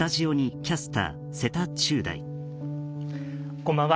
こんばんは。